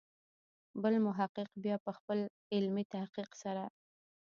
بل محقق بیا په خپل علمي تحقیق سره.